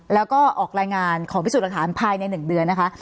แล้วก็ออกรายงานของพิสูจน์หลักฐานภายใน๑เดือนนะคะ